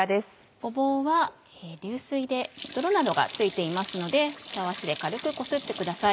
ごぼうは流水で泥などが付いていますのでタワシで軽くこすってください。